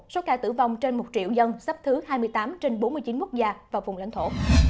số ca tử vong trên một triệu dân sắp thứ hai mươi tám trên bốn mươi chín quốc gia và vùng lãnh thổ